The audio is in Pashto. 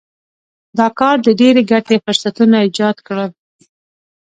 دا کار د ډېرې ګټې فرصتونه ایجاد کړل.